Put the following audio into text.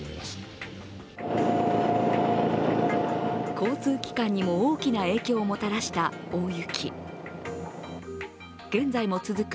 交通機関にも大きな影響をもたらした大雪。